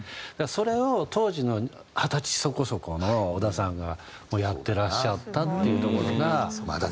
それを当時の二十歳そこそこの小田さんがやってらっしゃったっていうところが。